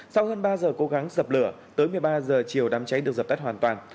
sau hơn ba giờ cố gắng dập lửa tới một mươi ba h chiều đám cháy được dập tắt hoàn toàn